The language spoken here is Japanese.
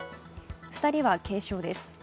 ２人は軽傷です。